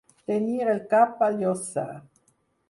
Tenir el cap a llossar.